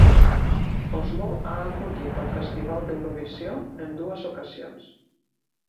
Oslo ha acollit el Festival d'Eurovisió en dues ocasions.